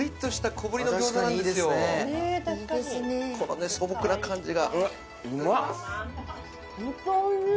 この素朴な感じが。